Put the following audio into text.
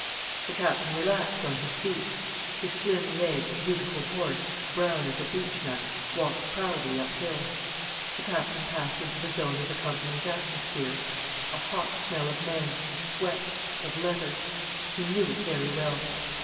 The Captain relaxed on his seat. His slim legged, beautiful horse, brown as a beech nut, walked proudly uphill. The Captain passed into the zone of the company's atmosphere: a hot smell of men, of sweat, of leather. He knew it very well.